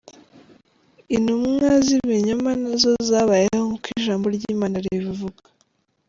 Intumwa z’ibinyoma na zo zabayeho nk’uko Ijambo ry’Imana ribivuga.